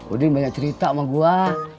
udin banyak cerita sama gue